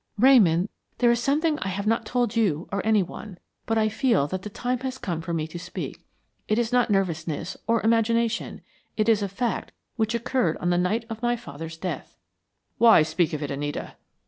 "Ramon, there is something I have not told you or any one; but I feel that the time has come for me to speak. It is not nervousness, or imagination; it is a fact which occurred on the night of my father's death." "Why speak of it, Anita?"